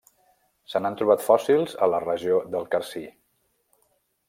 Se n'han trobat fòssils a la regió del Carcí.